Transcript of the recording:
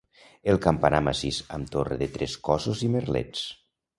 El campanar massís amb torre de tres cossos i merlets.